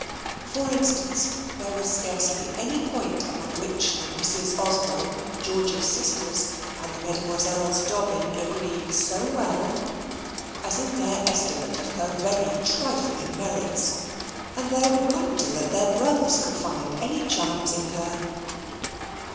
For instance, there was scarcely any point upon which the Misses Osborne, George's sisters, and the Mesdemoiselles Dobbin agreed so well as in their estimate of her very trifling merits: and their wonder that their brothers could find any charms in her.